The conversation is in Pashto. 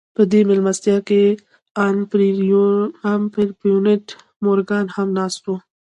په دې مېلمستیا کې ان پیرپونټ مورګان هم ناست و